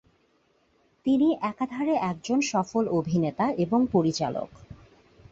তিনি একাধারে একজন সফল অভিনেতা এবং পরিচালক।